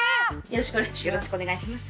「よろしくお願いします」